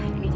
nah ini ya